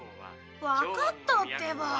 わかったってば。